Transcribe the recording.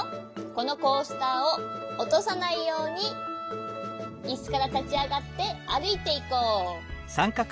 このコースターをおとさないようにいすからたちあがってあるいていこう。